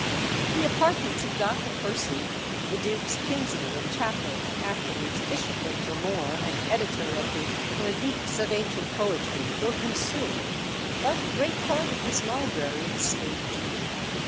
The apartments of Dr. Percy, the Duke's kinsman and chaplain, afterwards Bishop of Dromore and editor of the Reliques of Ancient Poetry were consumed; but great part of his library escaped.